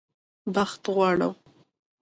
بخت غواړم